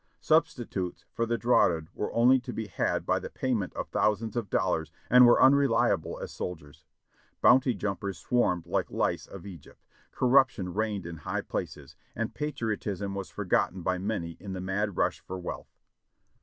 Substitutes for the draughted were only to be had by the pay ment of thousands of dollars, and were unreliable as soldiers. Bounty jumpers swarmed like the lice of Egypt. Corruption reigned in high places, and patriotism was forgotten by many in the mad rush for wealth.